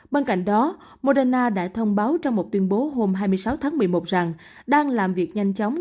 bên cạnh đó moderna đã thông báo cho một tuyên bố hôm hai mươi sáu tháng một mươi một rằng đang làm việc nhanh chóng